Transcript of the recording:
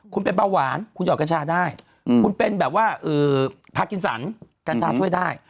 คุณเป็นเบาหวานคุณหอดกัญชาได้คุณเป็นแบบว่าพากินสันกัญชาช่วยได้